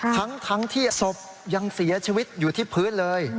ทั้งที่ศพยังเสียชีวิตอยู่ที่พื้นเลย